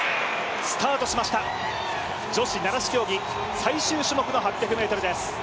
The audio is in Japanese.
スタートしました、女子七種競技最終種目の８００ｍです。